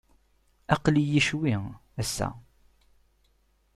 Aql-iyi ccwi, ass-a.